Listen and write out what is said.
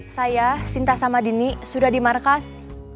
saya sinta sama dini sudah di markas